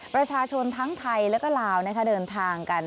ประชาชนทั้งไทยแล้วก็ลาวเดินทางกัน